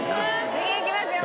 次いきますよ。